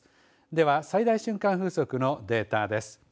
では、最大瞬間風速のデータです。